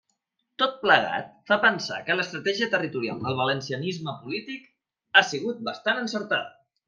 Tot plegat fa pensar que l'estratègia territorial del valencianisme polític ha sigut bastant encertada.